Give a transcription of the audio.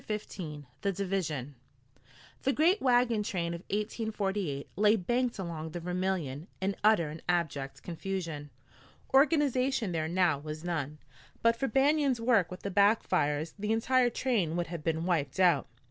CHAPTER XV THE DIVISION The great wagon train of 1848 lay banked along the Vermilion in utter and abject confusion. Organization there now was none. But for Banion's work with the back fires the entire train would have been wiped out.